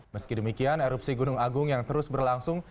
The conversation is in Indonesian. meski demikian erupsi gunung agung yang terus berlangsung